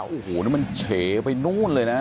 โอ้โหนี่มันเฉไปนู่นเลยนะ